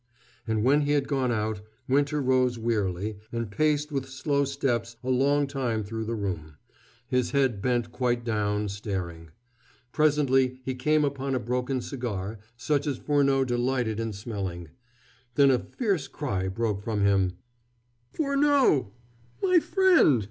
And when he had gone out, Winter rose wearily, and paced with slow steps a long time through the room, his head bent quite down, staring. Presently he came upon a broken cigar, such as Furneaux delighted in smelling. Then a fierce cry broke from him. "Furneaux, my friend!